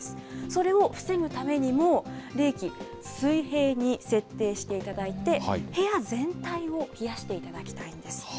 それを防ぐためにも、冷気、水平に設定していただいて、部屋全体を冷やしていただきたいんです。